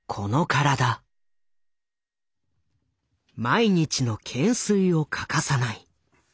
毎日の懸垂を欠かさない。